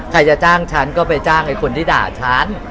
จะจ้างฉันก็ไปจ้างไอ้คนที่ด่าฉัน